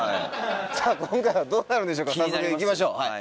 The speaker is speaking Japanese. さぁ今回はどうなるんでしょうか早速行きましょう！